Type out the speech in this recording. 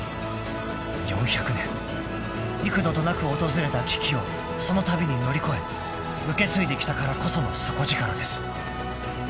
［４００年幾度となく訪れた危機をそのたびに乗り越え受け継いできたからこその底力です］